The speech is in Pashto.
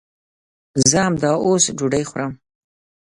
زه همداوس ډوډۍ خورم